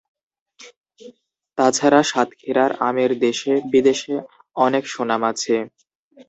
তাছাড়া সাতক্ষীরার আমের দেশে-বিদেশে অনেক সুনাম আছে।